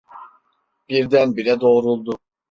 Birdenbire doğruldu.